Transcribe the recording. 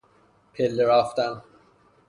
پله رفتن